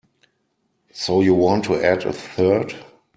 So you want to add a third?